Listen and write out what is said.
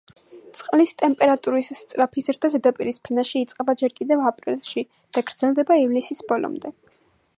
წყლის ტემპერატურის სწრაფი ზრდა ზედაპირის ფენაში იწყება ჯერ კიდევ აპრილში და გრძელდება ივლისის ბოლომდე.